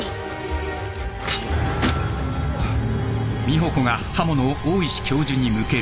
あっ。